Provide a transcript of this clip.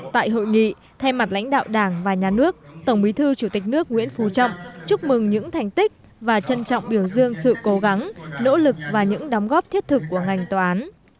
tại hội nghị thay mặt lãnh đạo đảng và nhà nước tổng bí thư chủ tịch nước nguyễn phú trọng chúc mừng những thành tích và trân trọng biểu dương sự cố gắng nỗ lực và những đóng góp thiết thực của ngành tòa án